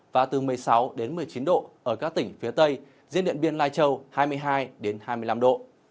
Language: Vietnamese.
và từ một mươi sáu đến một mươi chín độ ở các tỉnh phía tây riêng điện biên lai châu hai mươi hai hai mươi năm độ